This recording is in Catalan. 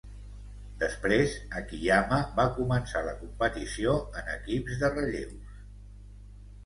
Després, Akiyama va començar la competició en equips de relleus.